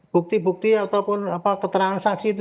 bukti bukti ataupun keterangan saksi itu